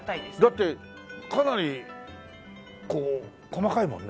だってかなりこう細かいもんね。